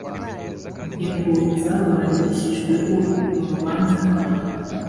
ngingo zaburanishijweho mu rubanza rwa